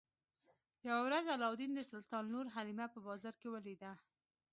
یوه ورځ علاوالدین د سلطان لور حلیمه په بازار کې ولیده.